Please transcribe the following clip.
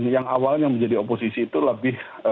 yang awalnya menjadi oposisi itu lebih